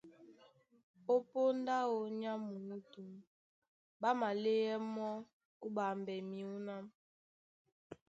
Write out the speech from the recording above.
Ó póndá áō nyá muútú, ɓá maléɛ́ mɔ́ ó ɓambɛ myǔná.